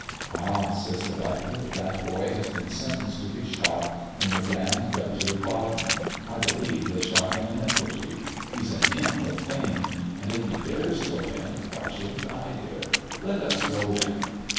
"Ah!" says the Doctor, "that boy has been sentenced to be shot in the Grand Duchy of Baden. I believe they shot him in effigy. He's an imp of fame, and if he dares go in why should'nt I dare it. Let us go in!"